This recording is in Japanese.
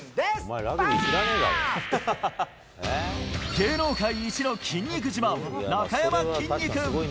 芸能界一の筋肉自慢、なかやまきんに君。